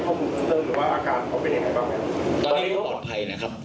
นะครับผมก็ต้องให้การว่าเขาให้การว่าเขาให้การขัดแย้งข้อเรียกจริงนะครับ